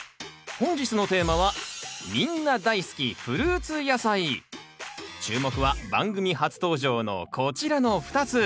本日のテーマはみんな大好き注目は番組初登場のこちらの２つ。